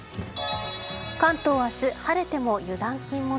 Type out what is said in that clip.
関東明日、晴れても油断禁物。